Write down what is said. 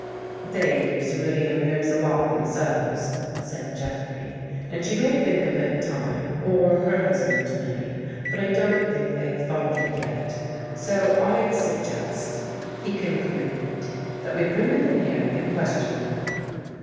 " They use irridium mirrors a lot themselves," said Jeffrey, '' and she may think of it in time, or her husband may. But I don't think they have thought of it yet. So I'd suggest," he con cluded, " that we bring them in here and question them."